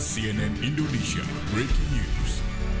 cnn indonesia breaking news